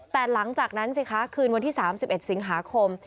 แต่หลังจากนั้นสิคะคืนวันที่๓๑สิงหาคม